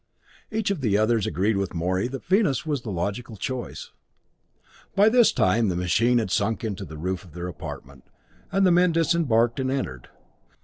Each of the others agreed with Morey that Venus was the logical choice. By this time the machine had sunk to the roof of their apartment, and the men disembarked and entered.